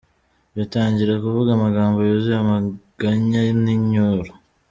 Batangira kuvuga amagambo yuzuye amaganya n’inyuro.